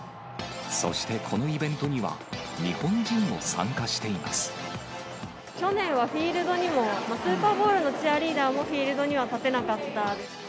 そしてこのイベントには、去年はフィールドにも、スーパーボウルのチアリーダーもフィールドには立てなかった。